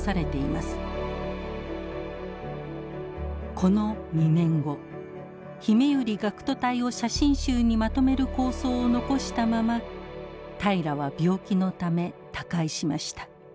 この２年後ひめゆり学徒隊を写真集にまとめる構想を残したまま平良は病気のため他界しました。